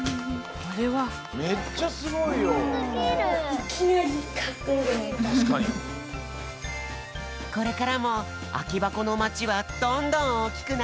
これからもあきばこのまちはどんどんおおきくなっていくよ！